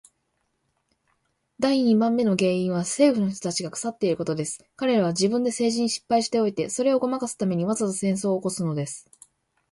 第二番目の原因は政府の人たちが腐っていることです。彼等は自分で政治に失敗しておいて、それをごまかすために、わざと戦争を起すのです。